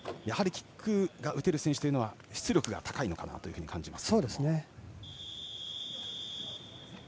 キックが打てる選手というのは出力が高いのかなというふうに感じます。